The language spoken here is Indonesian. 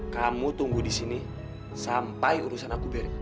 kamu tumbuh di sini sampai urusan aku beri